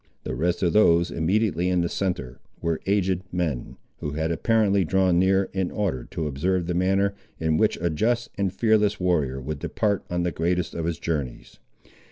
The rest of those immediately in the centre were aged men, who had apparently drawn near, in order to observe the manner, in which a just and fearless warrior would depart on the greatest of his journeys.